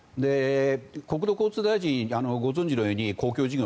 国土交通大臣はご存じのように公共事業